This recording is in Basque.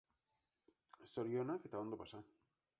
Zorionak eta ondo pasa!